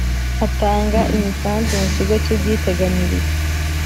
Atanga imisanzu mu kigo cy ubwiteganyirize